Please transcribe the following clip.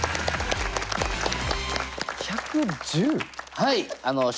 はい。